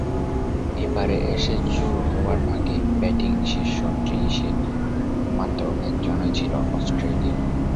এবারের অ্যাশেজ শুরু হওয়ার আগে ব্যাটিংয়ের শীর্ষ ত্রিশে মাত্র একজনই ছিলেন অস্ট্রেলীয়।